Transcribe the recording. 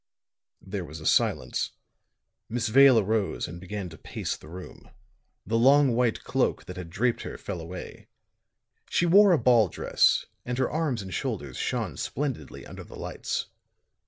There was a silence. Miss Vale arose and began to pace the room. The long white cloak that had draped her fell away; she wore a ball dress and her arms and shoulders shone splendidly under the lights.